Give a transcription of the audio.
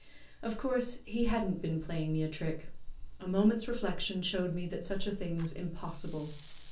Of course he hadn't been playing me a trick. A moment's reflection showed me that such a thing was impossible.